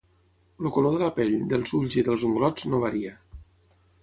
El color de la pell, dels ulls i dels unglots no varia.